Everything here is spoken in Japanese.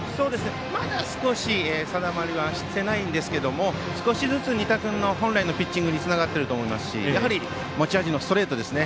まだ少し定まってないんですけれども少しずつ仁田君本来のピッチングにつながっていると思いますしやはり持ち味のストレートですね。